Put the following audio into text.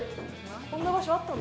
こんな場所あったんだ。